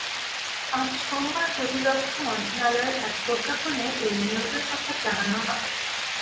আজ সোমবার প্রতিরক্ষা মন্ত্রণালয়ের এক প্রজ্ঞাপনে এই নিয়োগের কথা জানানো হয়।